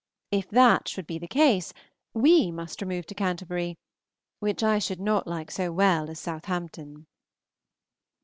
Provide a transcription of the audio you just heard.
If that should be the case, we must remove to Canterbury, which I should not like so well as Southampton.